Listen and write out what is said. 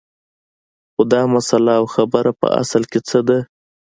خو دا مسله او خبره په اصل کې څه ده